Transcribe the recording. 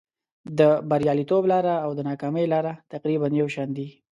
د بریالیتوب لاره او د ناکامۍ لاره تقریبا یو شان دي.